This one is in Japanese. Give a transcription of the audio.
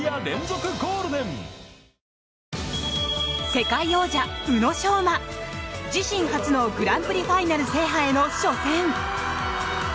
世界王者、宇野昌磨自身初のグランプリファイナル制覇への初戦。